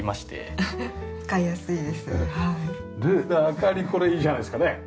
明かりこれいいじゃないですかねえ。